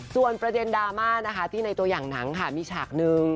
ส่วนประเด็นดราม่านะคะที่ในตัวอย่างหนังค่ะมีฉากนึง